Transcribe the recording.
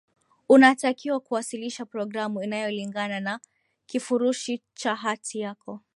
unatakiwa kuwasilisha programu inayolingana na kifurushi cha hati yako